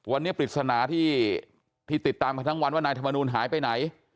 วันนี้ปริศนาที่ติดตามกันทั้งวันว่านายธรรมนูลหายไปไหน